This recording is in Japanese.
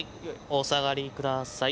お下がりください。